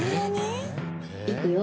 いくよ。